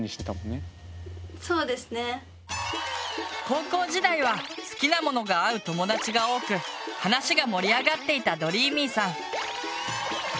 高校時代は好きなものが合う友達が多く話が盛り上がっていたどりーみぃさん。